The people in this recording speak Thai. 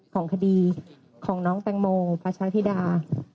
ของคดีของน้องแตงโมงปัชฌาภิษฐา